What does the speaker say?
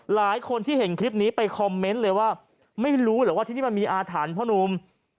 หลายคนที่เห็นคลิปนี้ไปคอมเมนต์เลยว่าไม่รู้เหรอว่าที่นี่มันมีอาถรรพ์พ่อนุ่ม